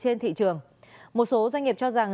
trên thị trường một số doanh nghiệp cho rằng